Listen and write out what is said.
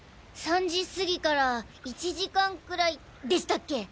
３時すぎから１時間ぐらいでしたっけ？